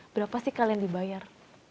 berapa sih kalian dibayar